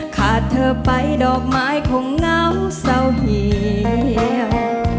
เธอไปดอกไม้คงเงาเศร้าเหี่ยว